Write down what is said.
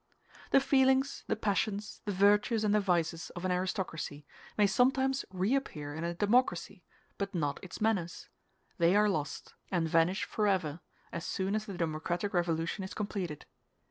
The feelings, the passions, the virtues, and the vices of an aristocracy may sometimes reappear in a democracy, but not its manners; they are lost, and vanish forever, as soon as the democratic revolution is completed.